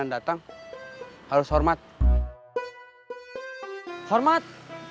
apa yang hanya merendah peril